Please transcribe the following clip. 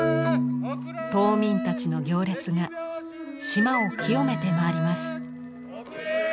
島民たちの行列が島を清めて回ります。